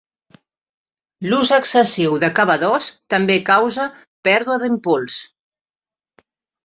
L'ús excessiu d'acabadors també causa pèrdua d'impuls.